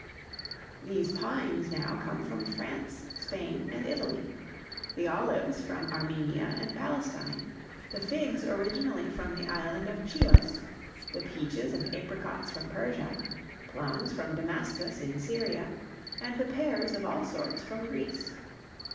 These pines, now, come from France, Spain, and Italy; the olives from Armenia and Palestine; the figs originally from the island of Chios; the peaches and apricots from Persia; plums from Damascus in Syria, and the pears of all sorts from Greece.